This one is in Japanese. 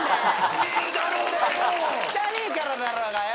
汚えからだろうがよ！